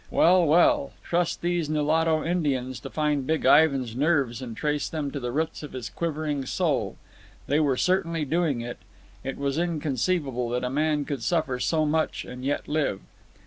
Well, well, trust these Nulato Indians to find Big Ivan's nerves and trace them to the roots of his quivering soul. They were certainly doing it. It was inconceivable that a man could suffer so much and yet live.